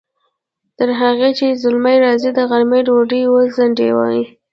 تر هغې چې زلمی راځي، د غرمې ډوډۍ وځڼډوئ!